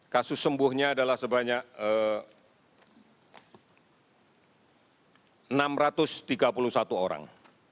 kasus sembuhnya adalah sebanyak enam ratus tiga puluh satu orang